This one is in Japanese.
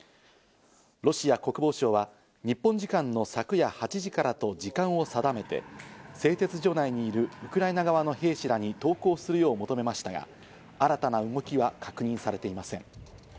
ロシア国防省は日本時間の昨夜８時からと時間を定めて製鉄所内にいるウクライナ側の兵士らに投降するよう求めましたが新たな動きは確認されていません。